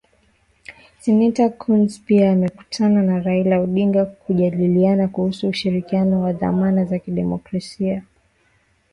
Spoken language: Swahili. Seneta Coons pia amekutana na Raila Odinga kujadiliana kuhusu ushirikiano wa thamini za kidemokrasia